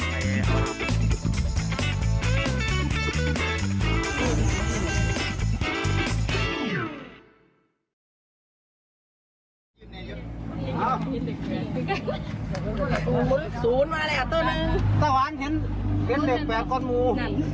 เต้าหวานเท้นเด็ดแปะก่อนมู